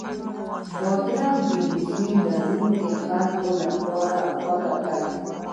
بادرنګ د رژیم لرونکو خلکو لپاره غوره دی.